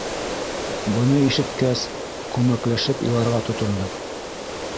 Быны ишеткәс, күмәкләшеп иларға тотондоҡ.